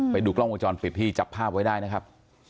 ไปดูกล้องวงจรปิดที่จับภาพไว้ได้นะครับ